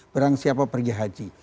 berang siapa pergi haji